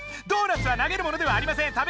ドーナツはなげるものではありません。